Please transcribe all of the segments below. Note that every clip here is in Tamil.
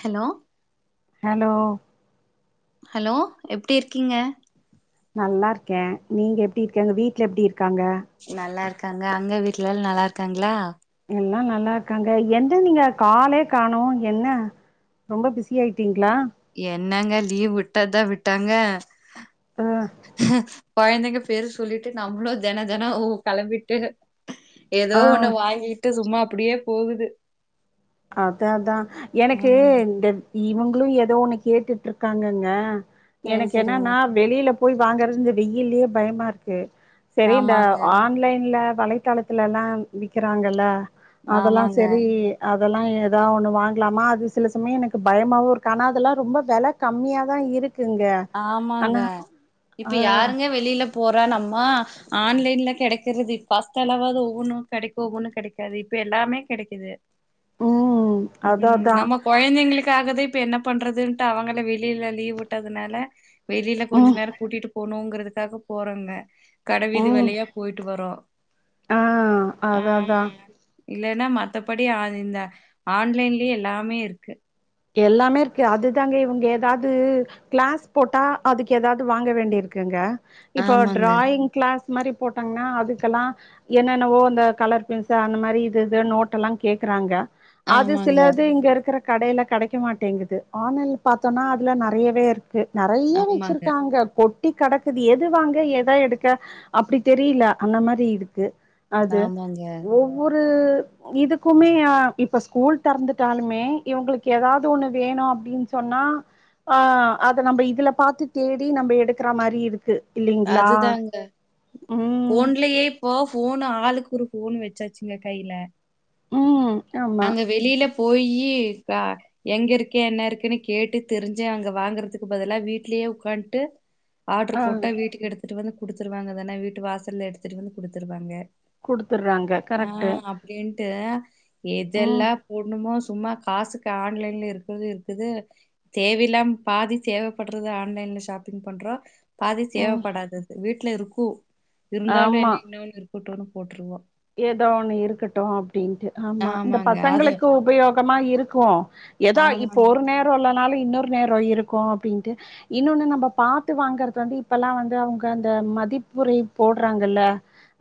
ஹலோ ஹலோ ஹலோ எப்டி இருக்கீங்க நல்லா இருக்கே நீங்க எப்டி இருக்கங்க வீட்டுல எப்டி இருக்காங்க நல்லா இருக்காங்க அங்க வீட்டுலெல்லா நல்லா இருக்காங்களா எல்லா நல்லா இருக்காங்க என்து நீங்க காலே காணோ என்ன ரொம்ப பிஸி ஆயிட்டீங்களா என்னங்க லீவ் விட்டாதுதா விட்டாங்க ஆ கொழந்தைங்க பேர சொல்லிட்டு நம்பளு தேனத்தேன ஊ களம்பிட்டு ஏதோ ஆ ஒண்ணு வாங்கிகிட்டு சும்மா அப்டியே போகுது அதா அதா எனக்கு ஆமாங்க இந்த இவங்ளு ஏதோ ஒண்ணு கேட்டுட்டிற்க்காங்கங்க சரி எனக்கு சரிங்க என்னன்னா வெளியில போய் வாங்கறது இந்த வெய்ல்லேயே பயமா இருக்கு செரி இந்த ஆமாங்க ஆன்லைன்ல வளை தலத்துல எல்லா விக்கிறாங்கில்ல அதெல்லா ஆமாங்க செரி அதெல்லா ஏதா ஒண்ணு வாங்லாமா அது சில சமய எனக்கு பயமாவுருக்கு ஆனா அதெல்லா ரொம்ப வெல கம்மியா தா இருக்குங்க ஆமாங்க ஆனா ஆ இப்ப யாருங்க வெளியில போற நம்ம ஆன்லைன்ல கெடைக்கிறது இப் ஃபஸ்ட் எல்லாவாது ஒவ்வொன்னு கெடைக்கு ஒவ்வொன்னு கெடைக்காது இப்ப எல்லாமே கெடைக்கிது ம் அதா ம் அதா நமக் கொழந்தைங்களுக்காகதா இப்ப என்ன பண்றதுன்ட்டு அவங்களு வெளியில லீவ் வுட்டதுனால வெளியில கொஞ்சோ ம் நேர கூட்டிட்டு போனுங்கிறதுக்காக போறோங்க கடைவீதி ம் வழியா போய்ட்டு வரோ ஆ அதா அதா ஆமாங்க இல்லேன்னா மத்தபடி ஆ இந்த ஆன்லைன்லேயே எல்லாமே இருக்கு எல்லாமே இருக்கு அதுதாங்க இவுங்க ஏதாது கிளாஸ் போட்டா அதுக்கு ஏதாவ்து வாங்க வேண்டி இருக்குங்க இப்போ ஆமாங்க டிராயிங் கிளாஸ் மாரி போட்டாங்ன்னா அதுக்கெல்லா என்னென்னவோ அந்த கலர் பென்சில் அந்த மாரி இது இது நோட் எல்லா கேக்கறாங்க அது ஆமாங்க சிலது இங்க இருக்கற கடையில கெடைக்க மாட்டேங்குது ஆன்லைன்ல பாத்தோன்னா அதுல நெறையவே இருக்கு நெறைய ஆமாங்க வச்சிருக்காங்க கொட் டி கடக்குது எது வாங்க எத எடுக்க அப்டி தெரியில அந்த மாரி இருக்கு அது ஆமாங்க ஒவ் ஒரு இதுக்குமே ஆ இப்ப ஸ்கூல் திறந்துட்டாலுமே இவுங்களுக் ஏதாவுது ஒண்ணு வேணு அப்டின்னு சொன்னா ஆ அத நம்ம இதுல பாத்து தேடி நம்ப எடுக்கற மாரி இருக்கு இல்லிங்களா அதுதாங்க ம் இப்ப ஃபோன் ஆளுக்கு ஒரு ஃபோன் வச்சாச்சுங்க கையில ம் ஆமா அங்க வெளியில போயி [unintelligible] எங்க இருக்கே என்ன இருக்குன்னு கேட்டு தெரிஞ்சு அங்க வாங்குறதுக்கு பதிலா வீட்லேயே உக்கான்ட்டு ஆ ஆர்டர் போட்டா வீட்டுக்கு எடுத்துட்டு வந்து குடுத்துருவாங்க தானே வீட்டு வாசலல்ல எடுத்துட்டு வந்து குடுத்துருவாங்க குடுத்துடுறாங்க ஆ கரெக்ட்டு அப்படின்ட்டு ம் எதெல்லா போட்ணுமோ சும்மா காசுக்கு ஆன்லைன்ல இருக்கிறது இருக்குது தேவைலாம் பாதி தேவைப்படுறது ஆன்லைன்ல ஷாப்பிங் பண்றோம் பாதி ம் தேவைப்படாதது வீட்டுல இருக்கும் இருந்தாலும் ஆமா என்ன இன்னொன்னு இருக்கட்டும்ன்னு போட்டுருவோம் ஏதோ ஒன்று இருக்கட்டும் அப்படின்ட்டு ஆமா இந்த ஆமாங்க அது பசங்களுக்கு உபயோகமா இருக்கும் ஏதா இப்போ ஆமாங் ஒரு நேர் ரோ இல்லனாலு இன்னொரு நேரோ இருக்கும் அப்படின்ட்டு இன்னொன்னு நம்ம பாத்து வாங்கறது வந்து இப்பல்லாம் வந்து அவங்க அந்த மதிப்புரை போடுறாங்கல்ல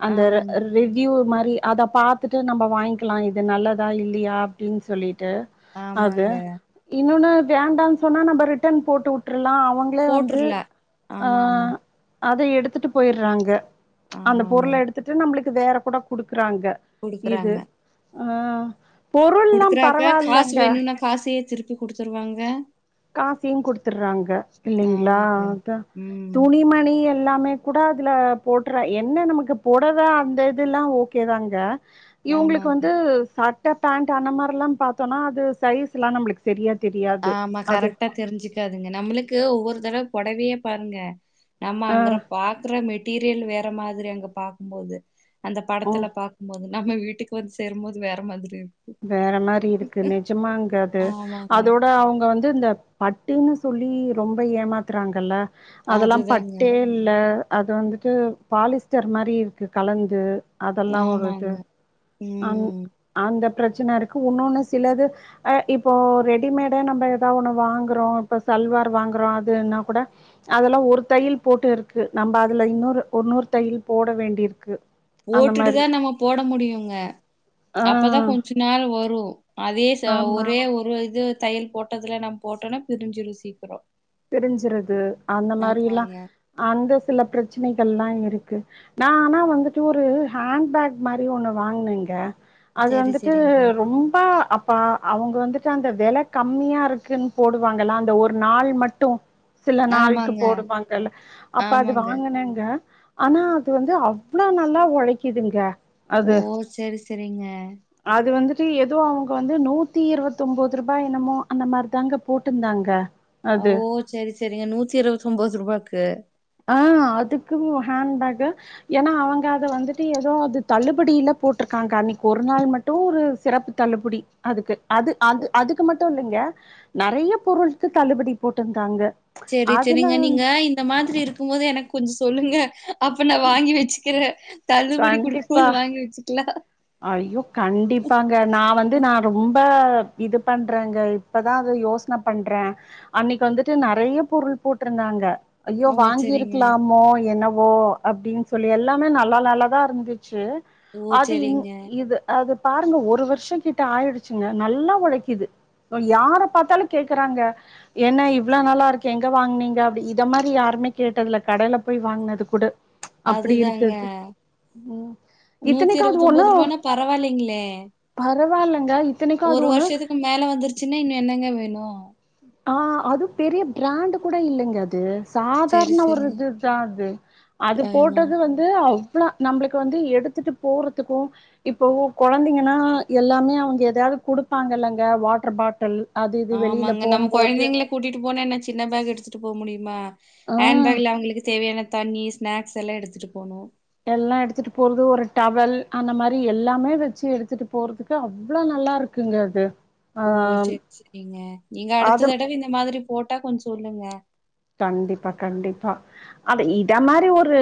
அந்த ர ஆமாங்க ரெட் கியூ மாதிரி அத பார்த்துட்டு நம்ம வாங்கிக்கலாம் இது நல்லதா இல்லையா அப்படின்னு சொல்லிட்டு அது ஆமாங்க இன்னொன்னு வேண்டாம்னு சொன்னா நம்ம ரிட்டர்ன் போட்டு விட்டுருலாம் அவங் ளே வந்து போட்ருல ஆமா ஆமா ஆ அத எடுத்துட்டு போயற்றாங்க அந்த ஆமாங்க பொருள எடுத்துட்டு நம்மளுக்கு வேற கூட குடுக்குறாங்க இது குடுக்குறாங்க ஆ பொருள்லா குடுக்குறாப்ப காசு பரவால்லங்க வேணுனா காசையே திருப்பி குடுத்துருவாங்க காசையு குடுத்துற்றாங்க இல்லிங்ளா ஆமாங்க. அதா ம். துணிமணி எல் எல்லாமே கூட அதுல போட்டுற்ற என்ன நமக்கு பொடவ அந்த இது எல்லா ஓகே தாங்க இவுங்ளுக்கு ஆமாங்க. வந்து சட்ட பேண்ட்டு அன்ன மாரெல்லாம் பாத்தோன்னா அது சைஸ் எல்லா நம்மளுக்கு சரியா தெரியா ஆமா கரெக்டா தெரிஞ்சிக்காதுங்க நம்மளுக்கு ஒவ்வொரு தடவ பொடவையே பாருங்க நம்ம ஆ அங்கற பாக்குற மெட்டீரியல் வேற மாதிரி அங்க பாக்கும்போது அந்த ம் படத்துல பாக்கும்போது நம்ம வீட்டுக்கு வந்து சேரும்போது வேற மாதிரி இரு வேற மாரி இருக்கு நிஜமாங்க அது ஆமாங்க. அதோட அவங்க வந் து இந்த பட்டுன்னு சொல்லி ரொம்ப ஏமாத்துறாங்கல்ல அதெல்லாம் அதுதாங்க. பட்டே இல்ல அது வந்துட்டு பாலிஸ்டர் மாதிரி இருக்கு கலந்து அதெல்லாம் ஒருது ஆமாங்க. அ ம். அந்த பிரச்சன இருக்கு ஒன்னொ ஒன்னு சிலது அ இப்போ ரெடிமேட நம்ம ஏதாவது ஒண்ணு வாங்குறோம் இப்ப சல்வார் வாங்குறோம் அதுனா கூட அதெல்லா ஒரு தையல் போட்டு இருக்கு நம்ம அதுல இன்னொரு ஒருன்னூறு தையல் போட வேண்டியிருக்கு அந்த போட்டுட்டு மாரி தான் நம்ம போட முடியுங்க ஆ அப்பதான் கொஞ்ச நாள் வரும் அதே சா ஆமா ஒரே ஒரு இது தையல் போட்டதுல நா போட்டோம்னா பிரிஞ்சுரு சீக்கிரம் பிரிஞ்சறது அந்த மாரி எல்லாம் ஆமாங்க. அந்த சில பிரச்சனைகல்லாம் இருக்கு ந ஆனா வந்துட்டு ஒரு ஹேண்ட பேக் மாரி ஒண்ணு வாங்னேங்க அது சரி, வந்துட்டு சரிங்க. ரொம்பா அப் பா அவங்க வந்துட்டு அந்த வெல கம்மியா இருக்குன்னு போடுவாங்காம் அந்த ஒரு நாள் மட்டும் சில நாளுக்கு ஆமாங்க, போடுவாங்கல்ல அப்ப அது ஆமாங்க. வாங்கினங்க ஆனா அது வந்து அவ்ளோ நல்லா உழைக்குதுங்க ஓ செரி செரிங்க அது வந்துட்டு ஏதோ அவங்க வந்து நூத்தி இருவத்த ஒன்பது ரூபாய் என்னமோ அந்த மாதிரி தாங்க போட்டுருந்தாங்க ஓ செரி செரிங்க நூத்தி இருபத்த ஒன்பது ரூபாக்கு ஆ அதுக்கும் ஹேண்ட் பேக் ஏன்னா அவங்க அத வந்துட்டு ஏதோ அது தள்ளுபடியில போட்டிருக்காங்க அன்னைக்கு ஒரு நாள் ம ட்டும் ஒரு சிறப்பு தள்ளுபடி அதுக்கு அது அது அதுக்கு மட்டும் இல்லைங்க நிறைய பொருளுக்கு தள்ளுபடி போட்டிருந்தாங்க செரி செரிங்க அதுல நீங்க இந்த மாதிரி இருக்கும் போது எனக்கு கொஞ்சம் சொல்லுங்க அப்ப நான் வாங்கி வச்சுக்கிற தள்ளுபடி கண்டிப்பா கொடுக்கும்து வாங்கி வச்சுக்கலாம் ஐயோ கண்டிப்பாங்க நா வந்து நா ரொம்ப இது பண்றேங்க இப்பதா அத யோசனை பண்றே அன்னைக்கு வந்துட்டு நெறைய பொருள் போட்ருந்தாங்க ஐயோ ஓ செரிங்க வாங்கிருக்கலாமோ என்னவோ அப்டின்னு சொல்லி எல்லாமே நல்லா நல்லதா இருந்துச்சு ஓ அது இன் செரிங்க இது அது பாருங்க ஒரு வருஷம் கிட்ட ஆயிடுச்சுங்க நல்லா உழைக்குது யார பாத்தாலு கேக்குறாங்க என்ன இவ்ளவு நல்லா இருக்கே எங்க வாங்குனீங்க அப்டி இத மாரி யாருமே கேட்டதில்ல கடைல போய் வாங்னது கூட அப்டி அதுதாங்க இருக்கது உம் இத்தனைக்கது ஒண்ணு பரவால்லைங்களே பரவால்லங்க ஒரு வருஷத்துக்கு மேல வந்துருச்சுங்க இன்னு என்னங்க வேணு ஆ அதுப் பெரிய பிராண்ட் கூட இல்லைங்க அது செரி சாதாரண ஒரு செரிங்க இதுதா அது அது ஆமா போட்டது வந்து இது அவ்ளோ நம்மளுக்கு வந்து எடுத்துட்டு போறத்துக்கும் இப்போ கொழந்தைங்கனா எல்லாமே அவங்க எதையாவது குடுப்பாங்கல்லங்க வாட்டர் பாட்டில் அது இது வெளியில ஆமாங்க நம்ம போம்போது கொழந்தைங்கள கூட்டிட்டு போனா என்ன சின்ன பேக் எடுத்துட்டு போ முடியுமா ஆ ஹேண்ட்பேக்ல அவங்களுக்கு தேவையான தண்ணி ஸ்நாக்ஸ் எல்லாம் எடுத்துட்டு போணும் எல்லாம் எடுத்துட்டு போறது ஒரு டவல் அந்த மாதிரி எல்லாமே வச்சு எடுத்துட்டு போறதுக்கு அவ்வளவு நல்லா இருக்குங்க அது ஆ ஓ செரி செரிங்க நீங்க அது அடுத்த தடவை இந்த மாதிரி போட்டா கொஞ்சோ சொல்லுங்க கண்டிப்பா கண்டிப்பா அத இத மாதிரி ஒரு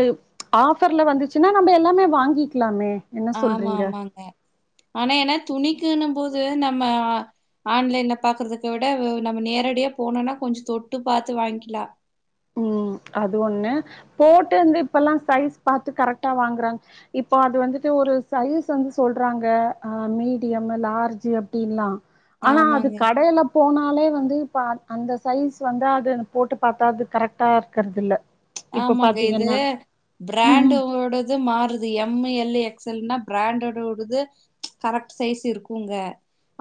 ஆஃபர்ல வந்துச்சுன்னா நம்ம எல்லாமே வாங்கிக்கலாமே என்ன ஆமா சொல்றீங்க ஆமாங்க ஆனா ஏன்னா துணிக்குன்னும் போது நம்ம ஆன்லைன்ல பாக்குறத விட நம்ம நேரடியே போனோம்னா கொஞ்சோ தொட்டு பாத்து வாங்கிக்கலா உம் அது ஒண்ணு போட்டு வந்து இப்பல்லாம் சைஸ் பாத்து கரெக்டா வாங்குறாங்க இப்போ அது வந்துட்டு ஒரு சைஸ் வந்து சொல்றாங்க அ மீடியம் லார்ஜு அப்டின்லா ஆனா அது ஆமாங்க. கடையில போனாலே வந்து இப்ப அது அந்த சைஸ் வந்து அது போட்டு பாத்தாது கரெக்ட்டா இருக்குறது இல்ல இப்ப ஆமாங்க இது பாத்தீங்கன்னா பிராண்ட் ம் உங்களோட இது மாறுது எம் எல் எக்ஸல்னா பிராண்டடோடுது கரெக்ட் சைஸ் இருக்குங்க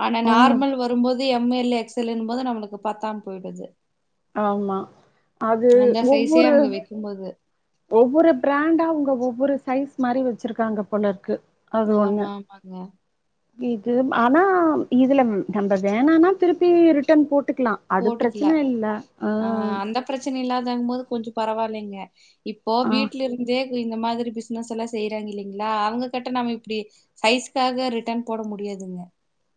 ஆனா ம் நார்மல் வரும்போது எம் எல் எக்ஸ் எல்ன்னு போது நம்மளுக்கு பத்தாம போயிடுது ஆமா அது ஒவ்வொரு உமது ஒவ்வொரு பிராண்டா அவுங்க ஒவ்வொரு சைஸ் மாரி வச்சிருக்காங்க போல இருக்கு அது ஒன்னு ஆமா, ஆமாங்க. இதும் ஆனா இதுல நம்ம வேணானா திருப்பி ரிட்டன் போட்டுக்கலா அது போட்டுக்கலாம். பிரச்சனை இல்ல அ ஆ அந்த பிரச்சனை இல்லாதாங்கும் போது கொஞ்சம் பரவாயில்லைங்க இப்போ ஆ வீட்ல இருந்தே இந்த மாதிரி பிசினஸ் எல்லாம் செய்றாங்க இல்லைங்களா அவங்க கிட்ட நாம இப்டி சைஸ்க்காக ரிட்டன் போட முடியாதுங்க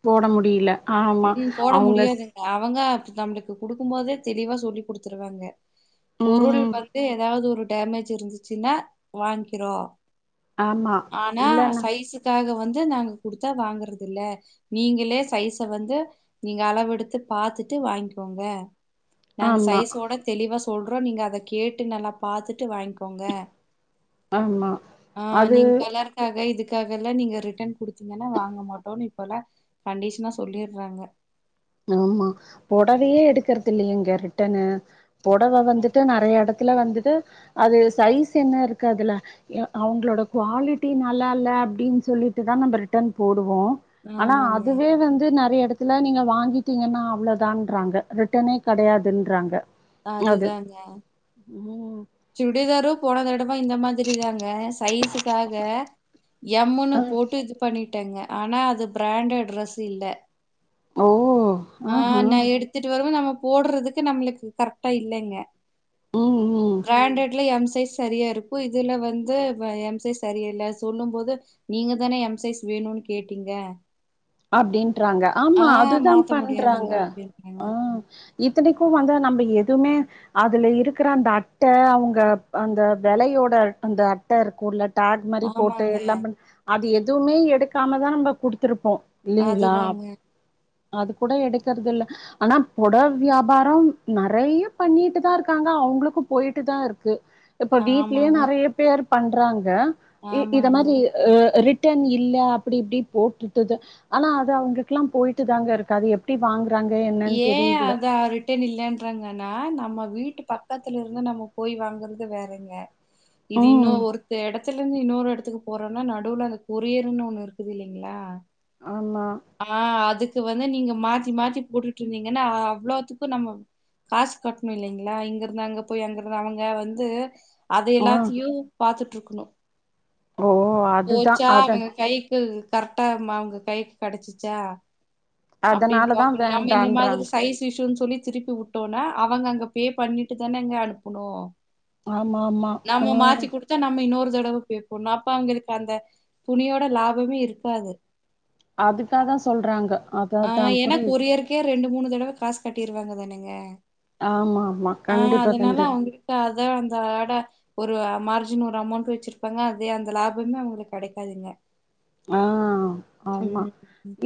போட முடியல ஆமா ம் போட அவுங்க ஸ் முடியாதுங்க. அவங்க அப்டிதா நம்மளுக்கு குடுக்கும் போதே தெளிவா சொல்லி் குடுத்துருவாங்க பொருள் ம் வந்து ஏதாவது ஒரு டேமேஜ் இருந்துச்சுன்னா வாங்கிக்றோ ஆமா ஆனா இல்லன்னா சைஸுக்காக வந்து நாங்க குடுத்தா வாங்கறது இல்ல நீங்க ல்லே சைஸ வந்து நீங்க அளவு எடுத்து பாத்துட்டு வாங்கிக்கோங்க நாங்க ஆமா ஸைஸோட தெளிவா சொல்றோ நீங்க அத கேட்டு நல்லா பாத்துட்டு வாங்கி கோங்க ஆமா ஆ அது நீங் கலர் க்காக இதுக்காகல்லா நீங்க ரிட்டன் குடுத்தீங்கன்னா வாங்க மாட்டோனு இப்பொல்லா கண்டிஷனா சொல்லிட்றாங்க ஆமா பொடவையே எடுக்கறத்தில்லைய இங்க ரிட்டன்னு பொடவ வந்துட்டு நெறையா எடத் துல வந்துட்டு அது சைஸ் என்ன இருக்கு அதுல எ அவங்களோட குவாலிட்டி நல்லா இல்ல அப்டின்னு சொல்லிட்டு தா நம்ப ரிட்டன் போடுவோ. ஆனா ஆமாங்க அதுவே வந்து நறைய எடத்துல நீங்க வாங் கீட்டீங்கன்னா அவ்ளோதான்றாங்க ரிட்டனே கெடயாதுன்றாங்க அது ம் சுடிதாரு போன தடவ இந்த மாதிரி தாங்க சைஸுக்காக எம் முன்னு போட்டு இது பண்ணிட்டேங்க. ஆனா அது ப்ரெண்டட் ட்ரெஸ் இல்ல. ஓ ஆ ஆஹா நா எடுத்துட்டு வருவோ. நம்ம போட்றதுக்கு நம்மளுக்கு கரக்டா இல்லெங்க. ம் ம் ப்ராண்டட்ல எம் சைஸ் செரியா இருக்கு. இதுல வந்து வ எம் சைஸ் செரியா இல்ல சொல்லும் போது நீங்க தானே எம் சைஸ் வேணுன்னு கேட்டீங்க அப்டின்ட்றாங்க. ஆமா ஆ அதுதா மாத்த முடியாதுங்க பண்றாங்க. அப்டின்ட்டாங்க அ இத்தெனக்கு வந்து நம்ப எதுமே அதுல இருக்குற அந்த அட்ட அவுங்க அந்த வெலையோட அந்த அட்ட இருக்குல டேக் மாரி போட்டு ஆமாங்க எல்லா பன் அது எதுவுமே எடுக்காமதா நம்ப குடுத்துருப்போ. இல்லைங்குளா அதுதாங்க அது கூட எடுக்கறதுல்ல. ஆனா பொடவ் வியாபாரோ நெறையா பண்ணிட்டு தா இருக்காங்க அவங்களுக்கு போயிட்டு தா இருக்கு இப்போ வீட்லயு ஆமாங்க நெறைய பேர் பண்றாங்க இ இத ஆமாங்க. மாரி அ ரிட்டன் இல்ல அப்டி இப்டி போட்டுட்டுது ஆனா அது அவங்களுக்குலா போயிட்டு தாங்க இருக்கு அது எப்டி வாங்குறாங்க என்னன் தெரியில டன் இல்லன்றாங்க ஆனா நம்ம வீட்டு பக்கத்துல இருந்து நம்ம போய் வாங்கறது வேறங்க இது இன்னு ம் ஒருத்த எட த்துலர்ந்து இன்னொரு எடத்துக்கு போறோன்னா நடுவுல அந்த கொரியர்ன்னு ஒன்னு இருக்குது இல்லைங்களா ஆமா ஆ அதுக்கு வந்து நீங்க மாத்தி மாத்தி போட்டுட்டு இருந்தீங்கன்னா அவ்ளோத்துக்கு நம்மொ காஸ் கட்ணு இல்லங்களா இங்க இருந்து அங்க போய் அங்க இருந்து அவங்க வந்து அது ஆ எல்லாத்துலியு பாத்துட்டுருக்கணு. ஓ அதுதா போச்சா அத அவங்க கைக்கு கரெட்டா இருமா அவங்க கைக்கு கடச்சுச்சா அப்டின்னு அதனாலதா பொல்ம்பி நம்ப இந்த மாதிரி வேண்டான்றாங்க சைஸ் இஷ்யூன்னு சொல்லி திருப்பி உ ட்டோனா அவங்க அங்க பே பண்ணிட்டுதானங்க அனுப்பணு. ஆமா ஆமா ஆ நம்மோ மாத்தி குடு த்தா நம்ம இன்னொரு தடவ பே பண்னு. அப்ப அவங்களுக்கு அந்த துணியோட லாபமே இருக்காது. அதுக்காக சொல்றாங்க அதா ஆ அதா ஏனா புரியுது கொரியருக்கே ரெண்டு மூணு தடவ காசு கட்டிருவாங்க தானங்க. ஆமா ஆமா கண்டிப்பா கண்டிப்பா கு அதா அந்த ஆட ஒரு மார்ஜின் ஒரு அமௌண்ட் வெச்சிருப்பாங்க. அதே அந்த லாபமே அவங்களுக்கு கெடைக்காதுங்க. ஆ ஆமா ம்.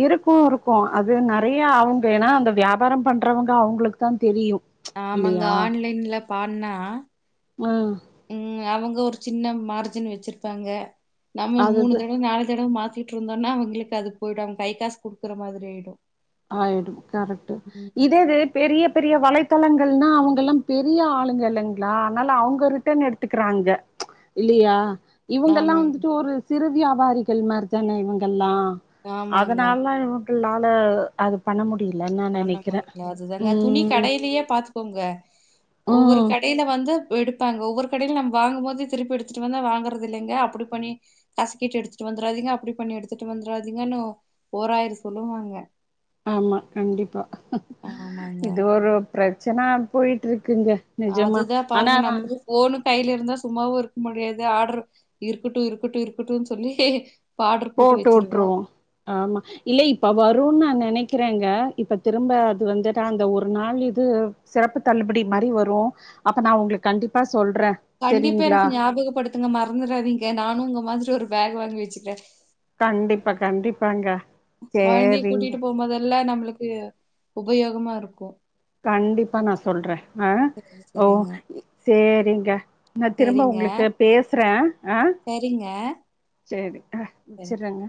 இருக்கு இரு கோ அது நறையா அவங்க ஏனா அந்த வியாபாரொ பண்றவங்க அவுங்களுக்கு தா தெரியு. ஆமாங்க இல்லையா ஆன்லைன்ல பாட்னா ஆ ம் அவுங்க ஒரு சின்ன மார்ஜின் வெச்சிருப்பாங்க நம்ம மூணு அதுது தடவ நாலு தடவ மாத்தி டுருந்தொன அவங்களுக்கு அது போய்டும் அவ்ங் கை காசு குடுக்குற மாதிரி ஆய்டு ஆயிடு கரெட்டு இதேது பெரிய பெரிய வலைத்தளங்கள்னா அவங்க எல்லா பெரிய ஆளுங்க இல்லங்குள அதனால அவுங்க ரிட்டன் எடு ட்டுக்கிறாங்க ப்ச் இல்லியா இவுங்க எல்லா ஆமாங்க, வந்துட்டு ஒரு சிறு வியாபாரிகள் மார் தான இவங்கெல்லா ஆமாங்க. அதனால்லா இவ்ங்களால அது பண்ண முடியலன்னு நா பண்ண நெனைக்கிறே முடியா அதுதாங்க துணி ம் கடைலியே பாத்துக்கோங்க ஒவ்வொரு ம் கடைல வந்து எடுப்பாங்க ஒவ்வொரு கடைல நம் வாங்கும் போது திருப்பி எடுத்துட்டுவந்த வாங்கறது இல்லிங்க அப்டி பண்ணி கஸ்கிட்டு எடுத்துட்டு வந்ராதிங்க அப்டி பண்ணி எடுத்துட்டு வந்ராதிங்கன்னு ஓராயிர சொல்லுவாங்க ஆமா கண்டிப்பா ஆமாங்க. இது ஒரு பிரச்சனா போயிட்ருக்குங்க நிஜமா ஆனா நா போனு கைல இருந்தா சும்மாவு இருக்க முடியாது ஆர்டர் இருக்கட்டு இருக்கட்டு இருக்கட்டு சொல்லி பாடர் போட்டு வச்சிருவோ ஆமா சி இல்ல இப்ப வருன்னு நா நெனைக்கிறேங்க இப்ப திரும்ப அது வந்துட்டா அந்த ஒரு நாள் இது சிறப்பு தள்ளுபடி மாரி வரு அப்ப நா உங்ளுக்கு கண்டிப்பா சொல்றே கண்டிப்பா செரிங்களா எனக்கு ஞாபகப்படுத்துங்க மற்ந்துராதீங்க நானு உங்க மாதிரி ஒரு பேக் வாங்கி வச்சுக்கிறே கண்டிப்பா கண்டிப்பாங்க கொழந்தைய சேரிங்க கூட்டிட்டு போகும்போதெல்லா நம்ளுக்கு உபயோகமா இருக்கு கண்டிப்பா நா சொல்ற ஆ சரி, ஓ சரிங்க. சேரிங்க நா திரும்ப சரிங்க, உங்ளுக்கு பேசுறே ஆ சரிங்க சேரி ஆ வச்சுறங்க